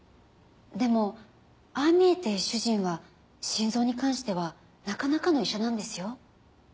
でもああ見えて主人は心臓に関してはなかなかの医者なんですよ。